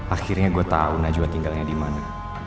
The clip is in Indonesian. akhirnya gue tahu najwa tinggalnya dimana